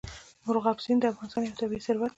مورغاب سیند د افغانستان یو طبعي ثروت دی.